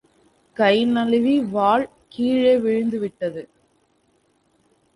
கை நழுவி, வாள் கீழே விழுந்து விட்டது.